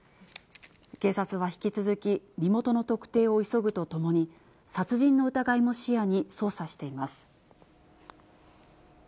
警察は引き続き身元の特定を急ぐとともに、殺人の疑いも視野に捜査しています。